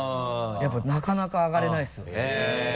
やっぱなかなか上がれないですねへぇ！